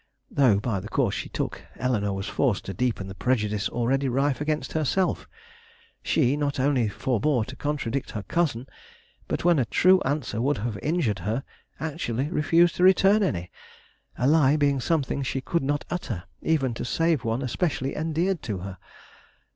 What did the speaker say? Though, by the course she took, Eleanore was forced to deepen the prejudice already rife against herself, she not only forbore to contradict her cousin, but when a true answer would have injured her, actually refused to return any, a lie being something she could not utter, even to save one especially endeared to her.